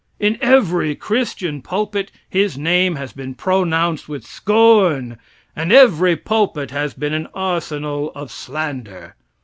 In every christian pulpit his name has been pronounced with scorn, and every pulpit has been an arsenal of slander.